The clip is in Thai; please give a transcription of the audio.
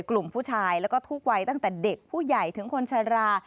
กลุ่มผู้ชายแล้วก็ทุกวัยตั้งแต่เด็กผู้ใหญ่ถึงคนชะลา